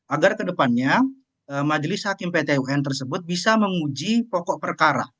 agar kedepannya majelis hakim pt un tersebut bisa menguji pokok perkara